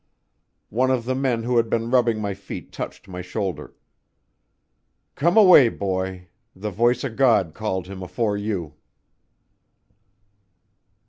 One of the men who had been rubbing my feet touched my shoulder. "Come away, boy; the voice o' God called him afore you."